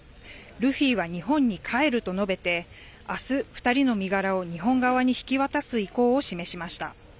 ルフィは日本に帰ると述べて、あす、２人の身柄を日本側に引き渡す意向を示しました。